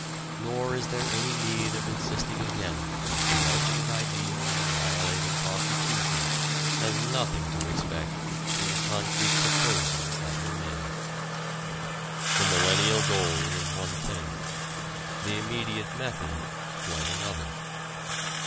Nor is there any need of insisting again that the ultimate ideal of annihilating prostitution has nothing to expect from the concrete proposals that were made. The millennial goal was one thing; the immediate method quite another.